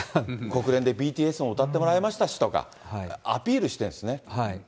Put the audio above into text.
国連でＢＴＳも歌ってもらいましたしとか、アピールしてるんですね。